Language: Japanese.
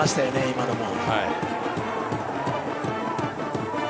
今のも。